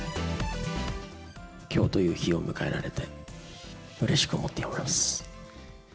きょうという日を迎えられて、うれしく思っております。